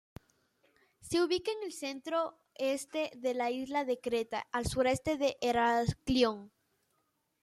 Se ubica en el centro-este de la isla de Creta, al sureste de Heraclión.